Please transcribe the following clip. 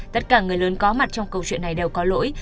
tất cả người lớn có mặt trong câu chuyện này đều có lỗi